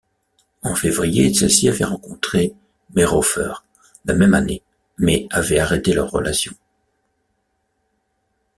En février, celle-ci avait rencontré Meirhofer la même année mais avait arrêté leur relation.